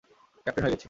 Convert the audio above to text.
Captain হয়ে গেছি!